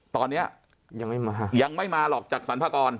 เท่าไหร่นะ